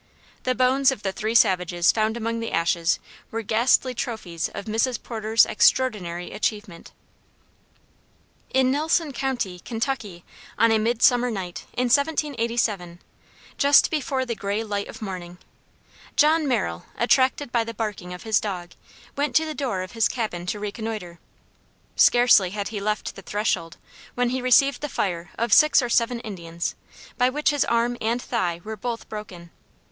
The bones of the three savages found among the ashes were ghastly trophies of Mrs. Porter's extraordinary achievement. In Nelson county, Kentucky, on a midsummer night, in 1787, just before the gray light of morning, John Merrill, attracted by the barking of his dog, went to the door of his cabin to reconnoiter. Scarcely had he left the threshold, when he received the fire of six or seven Indians, by which his arm and thigh were both broken.